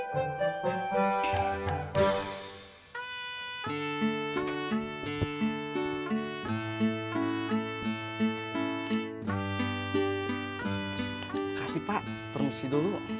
kasih pak permisi dulu